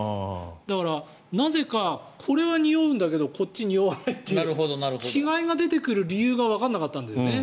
だから、なぜかこれはにおうんだけどこっち、におわないという違いが出てくる理由がわからなかったんだよね。